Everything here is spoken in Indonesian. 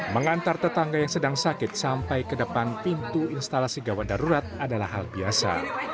mengantar tetangga yang sedang sakit sampai ke depan pintu instalasi gawat darurat adalah hal biasa